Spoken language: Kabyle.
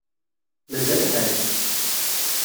Mazal lḥal.